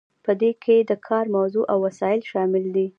په دې کې د کار موضوع او وسایل شامل دي.